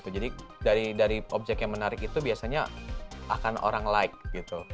jadi dari objek yang menarik itu biasanya akan orang like gitu